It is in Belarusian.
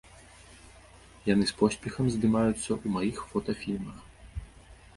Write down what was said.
Яны з поспехам здымаюцца ў маіх фота-фільмах.